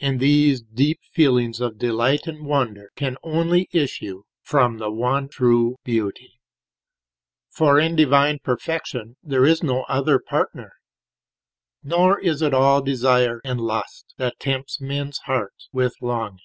And these deep feelings of delight and wonder Can only issue from the One True Beauty, For in Divine Perfection there is no other partner. Nor is it all desire and lust that tempts men's hearts with longing.